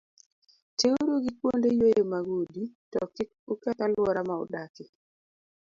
Tiuru gi kuonde yweyo mag udi, to kik uketh alwora ma udakie.